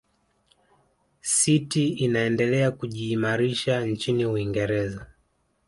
city inaendelea kujiimarisha nchini uingereza